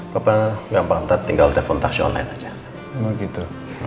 papa gampang tinggal telepon taksi online aja begitu